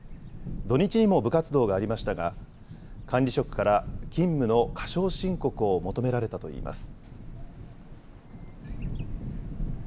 土日にも部活動がありましたが、管理職から勤務の過少申告を求められたといいます。